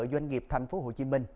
doanh nghiệp thành phố hồ chí minh